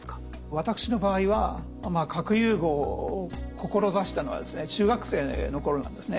私の場合は核融合を志したのはですね中学生の頃なんですね。